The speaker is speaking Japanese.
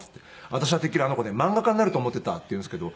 「私はてっきりあの子ね漫画家になると思ってた」って言うんですけど